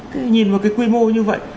thế nhìn một cái quy mô như vậy